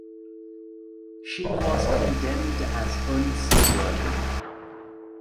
She was condemned as unseaworthy.